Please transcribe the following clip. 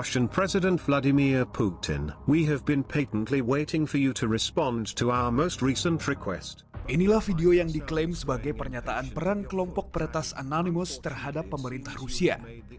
inilah video yang diklaim sebagai pernyataan peran kelompok peretas analimus terhadap pemerintah rusia